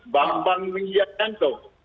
bambang minjak danto